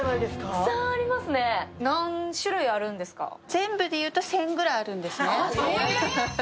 全部で言うと１０００くらいあるんですね。